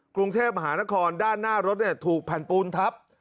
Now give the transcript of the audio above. กรุงเทพมหานครด้านหน้ารถถูกแผ่นปูนทับ